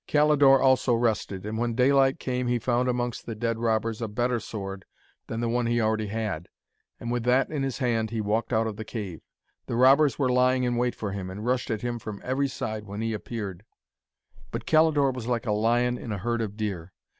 Calidore also rested, and when daylight came he found amongst the dead robbers a better sword than the one he already had, and with that in his hand he walked out of the cave. The robbers were lying in wait for him, and rushed at him from every side when he appeared. But Calidore was like a lion in a herd of deer.